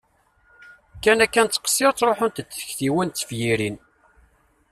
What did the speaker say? Kan akka nettqeṣṣiṛ ttṛuḥunt-d tiktiwin d tefyirin!